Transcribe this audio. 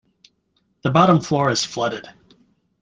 The bottom floor is flooded.